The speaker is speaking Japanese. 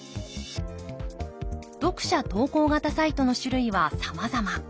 読者投稿型サイトの種類はさまざま。